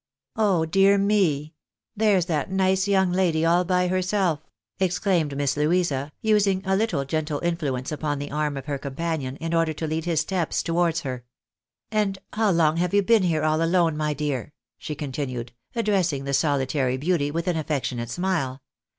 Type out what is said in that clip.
" Oh dear me ! There's that nice young lady all by lierself !" exclaimed ]Miss Louisa, using a little gentle influence upon the arm of her companion, in order to lead his steps towards her. " And how long have you been here, all alone, my dear ?" she continued, addressing the solitary beauty with an affectionate smile.